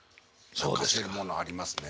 泣かせるものありますね。